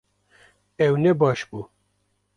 Ew ne baş bû